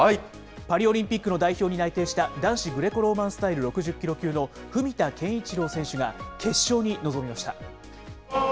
パリオリンピックの代表に内定した男子グレコローマンスタイル６０キロ級の文田健一郎選手が決勝に臨みました。